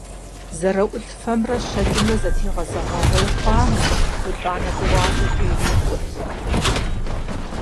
ЗэраӀулӀ фэмрэ щэкӀымрэ зэтегъэзэгъэгъуей хъуамэ, ӏулӏэнэ тӏуащӏэкӏэ ирикӀуэрт.